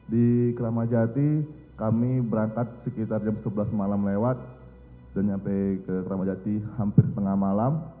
di keramajati kami berangkat sekitar jam sebelas malam lewat dan sampai ke kramajati hampir tengah malam